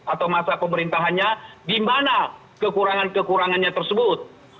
atau masa pemerintahannya di mana kekurangan kekurangannya tersebut